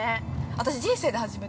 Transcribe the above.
◆私、人生で初めて。